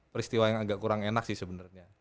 peristiwa yang agak kurang enak sih sebenarnya